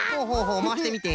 まわしてみて。